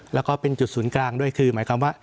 แล้วก็เป็นจุดศูนย์กลางด้วยคือหมายความว่า